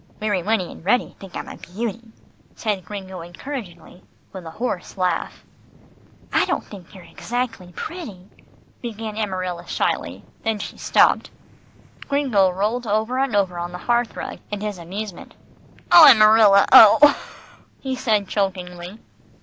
"Weary Winnie and Reddy think I'm a beauty," said Gringo encouragingly, and with a hoarse laugh. "I don't think you're exactly pretty," began Amarilla shyly, then she stopped. Gringo rolled over and over on the hearth rug, in his amusement. "Oh! Amarilla! Oh!" he said chokingly.